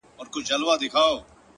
o په بوتلونو شـــــراب ماڅښلي؛